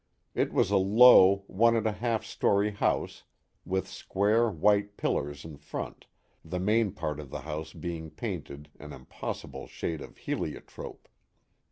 It was a low, one and a half story house, with square, white pillars in front, the main part of the house being painted an impossible shade of heliotrope.